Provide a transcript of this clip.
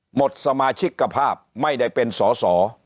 หมดสมาชิกภาพไม่ได้เป็นสอสอ